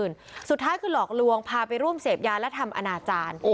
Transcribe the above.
ชีวิตถึงจะราบรื่นสุดท้ายคือหลอกหลวงพาไปร่วมเสพยานและทำอาณาจารย์